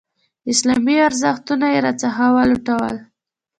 اسلامي ارزښتونه یې راڅخه ولوټل.